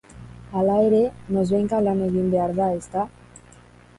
Hala ere, noizbehinka lan egin behar da, ezta?